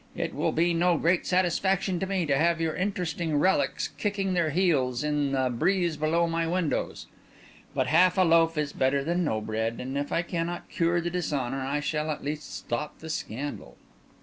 It will be no great satisfaction to me to have your interesting relics kicking their heels in the breeze below my windows; but half a loaf is better than no bread, and if I cannot cure the dishonour, I shall at least stop the scandal."